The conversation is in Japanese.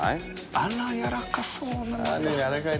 あら、やらかそうね。